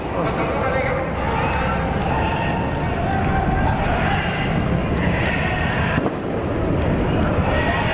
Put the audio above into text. สวัสดีครับ